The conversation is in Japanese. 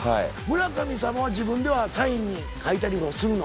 「村神様」は自分ではサインに書いたりもするの？